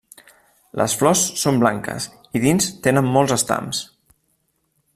Les flors són blanques i dins tenen molts estams.